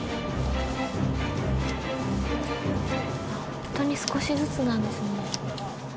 本当に少しずつなんですね。